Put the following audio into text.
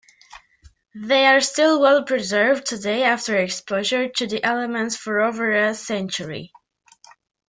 They are still well-preserved today after exposure to the elements for over a century.